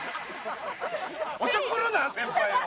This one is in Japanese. おちょくるな先輩を。